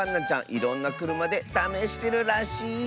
いろんなくるまでためしてるらしいよ。